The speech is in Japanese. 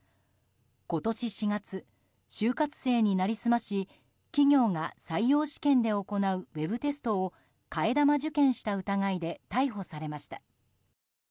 今年４月、就活生に成り済まし企業が採用試験で行うウェブテストを替え玉受験した疑いで逮捕されました。